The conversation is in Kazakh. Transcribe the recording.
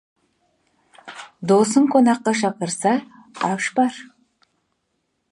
Досың қонаққа шақырса, аш бар.